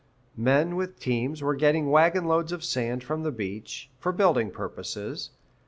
Men with teams were getting wagon loads of sand from the beach, for building purposes.